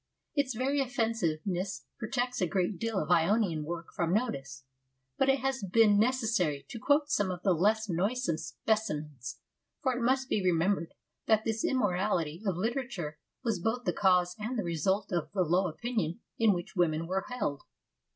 Its very offensiveness protects a great deal of Ionian work from notice, but it has been necessary to quote some of the less noisome speci mens, for it must be remembered that this immorality of literature was both the cause and the result of the low opinion in which women were held.